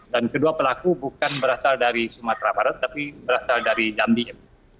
dan kedua pelaku bukan berasal dari sumatera barat tapi berasal dari jambi eva